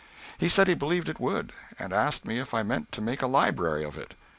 He said he believed it would, and asked me if I meant to make a library of it.